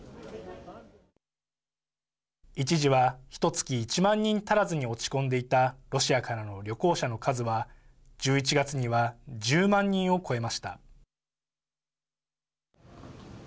一時はひとつき１万人足らずに落ち込んでいたロシアからの旅行者の数は１１月には１０万人を超えました。